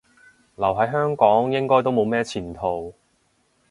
留喺香港應該都冇咩前途